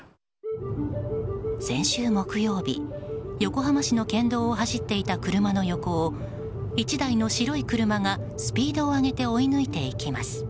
先週木曜日、横浜市の県道を走っていた車の横を１台の白い車がスピードを上げて追い抜いていきます。